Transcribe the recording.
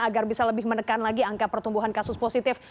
agar bisa lebih menekan lagi angka pertumbuhan kasus positif